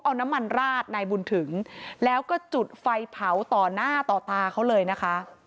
เอาน้ำมันราดนายบุญถึงแล้วก็จุดไฟเผาต่อหน้าต่อตาเขาเลยนะคะ